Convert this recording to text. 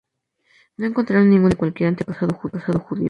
No encontraron ninguna evidencia de cualquier antepasado judío.